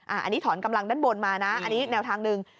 อันนี้ถอนกำลังด้านบนมานะอันนี้แนวทางหนึ่ง